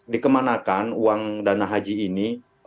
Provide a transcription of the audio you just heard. dikemanakan uang dana haji ini